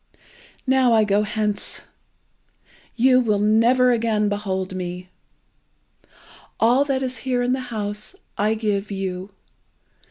"Now I go hence! You will never again behold me! All that is here in the house I give you!